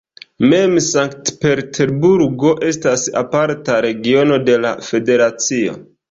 Mem Sankt-Peterburgo estas aparta regiono de la federacio.